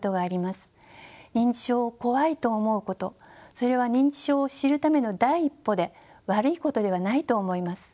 認知症を怖いと思うことそれは認知症を知るための第一歩で悪いことではないと思います。